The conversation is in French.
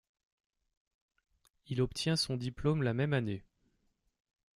Il obtient son diplôme la même année.